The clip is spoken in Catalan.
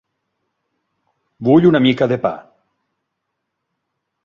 Vull una mica de pa.